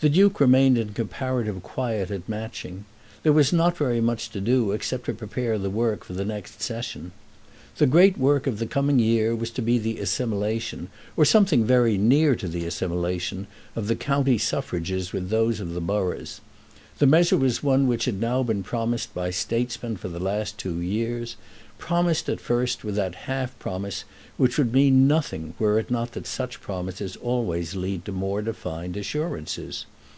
The Duke remained in comparative quiet at Matching. There was not very much to do, except to prepare the work for the next Session. The great work of the coming year was to be the assimilation, or something very near to the assimilation, of the county suffrages with those of the boroughs. The measure was one which had now been promised by statesmen for the last two years, promised at first with that half promise which would mean nothing, were it not that such promises always lead to more defined assurances.